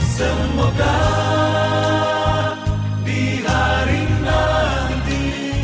semoga di hari nanti